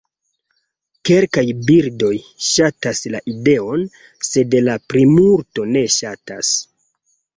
Kelkaj birdoj ŝatas la ideon, sed la plimulto ne ŝatas.